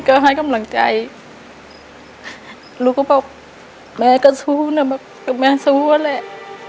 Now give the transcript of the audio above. ก็ให้กำลังใจลูกก็บอกแม่ก็สู้นะแบบแม่สู้อะแหละ